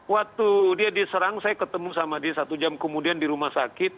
waktu dia diserang saya ketemu sama dia satu jam kemudian di rumah sakit